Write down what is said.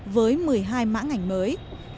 với một mươi hai mã ngành mới